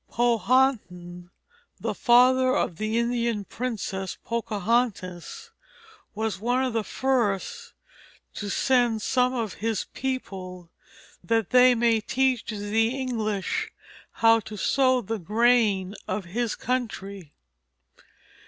Powhatan, the father of the Indian princess Pocahontas, was one of the first to "send some of his People that they may teach the English how to sow the Grain of his Country."